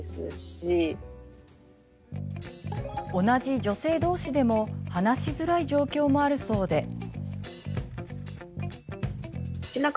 同じ女性どうしでも話しづらい状況もあるそうで。